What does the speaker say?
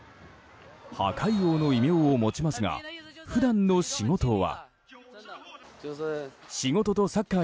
破壊王の異名を持ちますが普段の仕事は。